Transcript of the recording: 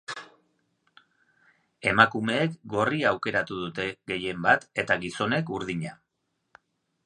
Emakumeek gorria aukeratzen dute gehienbat eta gizonek urdina.